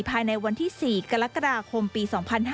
ภายในวันที่๔กรกฎาคมปี๒๕๕๙